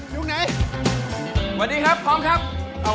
สวัสดีครับพร้อมครับ